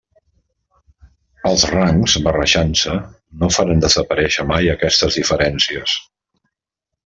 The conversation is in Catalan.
Els rangs, barrejant-se, no faran desaparèixer mai aquestes diferències.